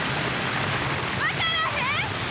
分からへん！